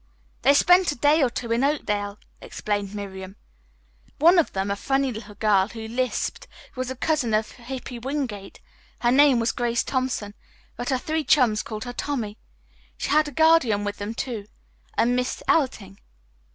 "They spent a day or two in Oakdale," explained Miriam. "One of them, a funny little girl who lisped, was a cousin of Hippy Wingate. Her name was Grace Thompson, but her three chums called her Tommy. They had a guardian with them, too, a Miss Elting."